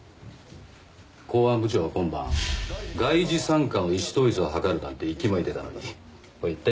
公安部長は今晩外事三課の意思統一を図るなんて息巻いてたのにこれは一体どうなってるんですか？